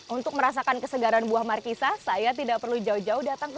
untuk merasakan kesegaran buah markisa saya tidak perlu jauh jauh datang ke